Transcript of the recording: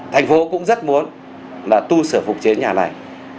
thành phố cũng rất muốn là tu sửa phục chế nhà này